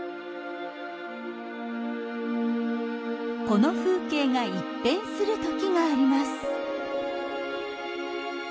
この風景が一変する時があります。